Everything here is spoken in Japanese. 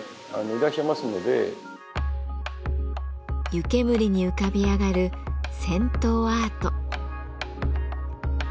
湯煙に浮かび上がる銭湯アート。